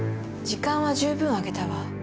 時間は十分あげたわ。